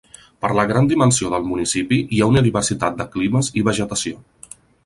Per la gran dimensió del municipi, hi ha una diversitat de climes i vegetació.